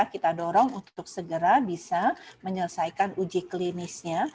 kita dorong untuk segera bisa menyelesaikan uji klinisnya